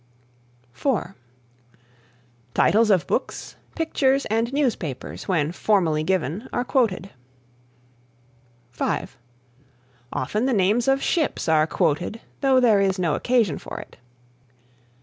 (4) Titles of books, pictures and newspapers when formally given are quoted. (5) Often the names of ships are quoted though there is no occasion for it.